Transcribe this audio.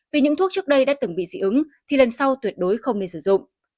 vì những thuốc trước đây đã từng bị dị ứng thì lần sau tuyệt đối không nên sử dụng